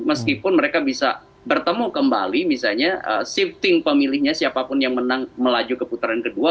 meskipun mereka bisa bertemu kembali misalnya shifting pemilihnya siapapun yang menang melaju ke putaran kedua